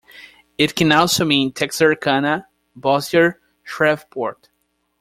It can also mean Texarkana, Bossier, Shreveport.